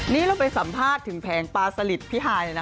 นี่เราไปสัมภาษณ์ถึงแผงปลาสลิดพี่ฮายนะ